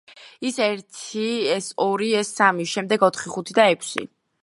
ეს ერთი, ეს ორი, ეს სამი; შემდეგ ოთხი, ხუთი და ექვსი.